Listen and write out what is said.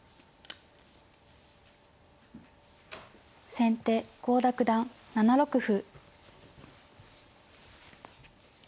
先手郷田九段７六歩。